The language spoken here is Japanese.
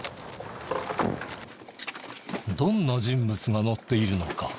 どんな人物が乗っているのか？